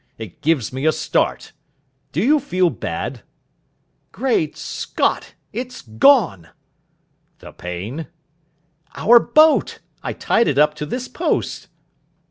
It gives me a start. Do you feel bad?" "Great Scott! it's gone." "The pain?" "Our boat. I tied it up to this post."